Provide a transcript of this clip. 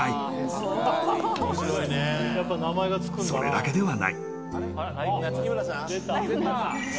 ［それだけではない］